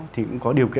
thì cũng có điều